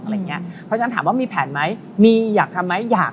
เพราะฉะนั้นถามว่ามีแผนไหมมีอยากทำไหมอยาก